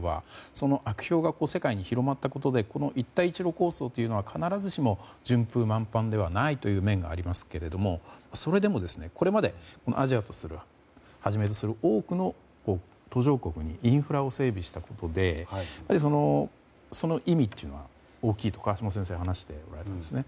その悪評が世界に広まったことで一帯一路構想というのは必ずしも順風満帆ではないという面がありますけどもそれでも、これまでアジアをはじめとする多くの途上国にインフラを整備したことでその意味というのは大きいと川島先生も話しておられるんですね。